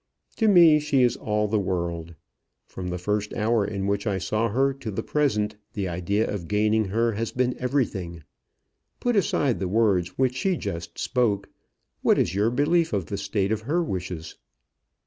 To me she is all the world. From the first hour in which I saw her to the present, the idea of gaining her has been everything. Put aside the words which she just spoke, what is your belief of the state of her wishes?"